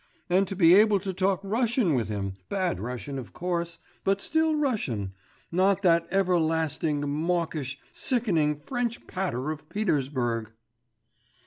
And to be able to talk Russian with him, bad Russian of course, but still Russian, not that everlasting, mawkish, sickening French patter of Petersburg.